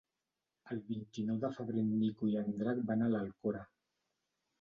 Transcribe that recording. El vint-i-nou de febrer en Nico i en Drac van a l'Alcora.